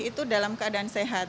itu dalam keadaan sehat